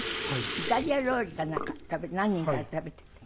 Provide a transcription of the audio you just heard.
イタリア料理かなんか何人かで食べてて。